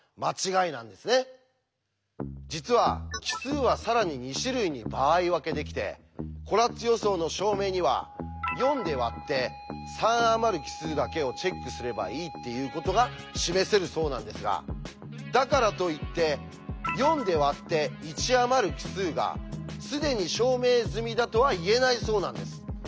実は奇数は更に２種類に場合分けできてコラッツ予想の証明には４で割って３あまる奇数だけをチェックすればいいっていうことが示せるそうなんですがだからといって４で割って１あまる奇数が既に証明済みだとは言えないそうなんです。